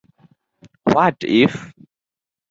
What if?